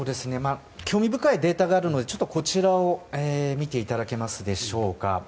興味深いデータがあるのでこちらを見ていただけますでしょうか。